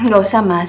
gak usah mas